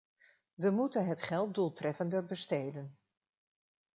We moeten het geld doeltreffender besteden.